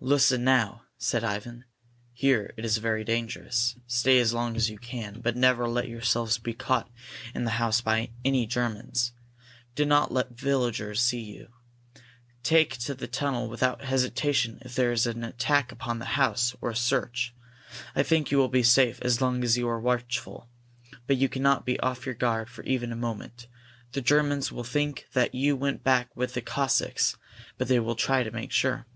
"Listen, now," said Ivan. "Here it is very dangerous. Stay as long as you can, but never let yourselves be caught in the house by any Germans. Do not let the villagers see you. Take to the tunnel without hesitation if there is an attack upon the house, or a search. I think you will be safe as long as you are watchful, but you cannot be off your guard for even a moment. The Germans will think that you went back with the Cossacks but they will try to make sure."